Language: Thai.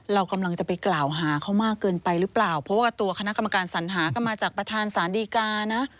เรากำลังจะไปกล่าวหาเขามากเกินไปหรือเปล่าเพราะว่าตัวคณะกรรมการสัญหาก็มาจากประธานสารดีกานะ